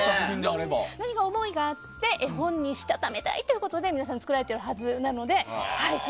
何か思いがあって絵本にしたためたいということで皆さん、作られているので。